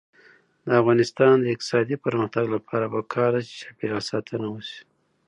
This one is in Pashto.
د افغانستان د اقتصادي پرمختګ لپاره پکار ده چې چاپیریال ساتنه وشي.